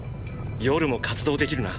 夜も活動できるな。